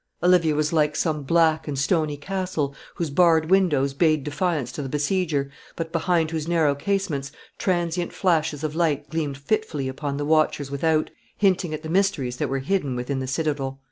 Olivia was like some black and stony castle, whose barred windows bade defiance to the besieger, but behind whose narrow casements transient flashes of light gleamed fitfully upon the watchers without, hinting at the mysteries that were hidden within the citadel.